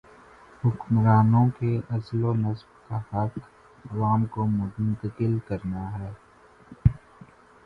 حکمرانوں کے عزل و نصب کا حق عوام کو منتقل کرنا ہے۔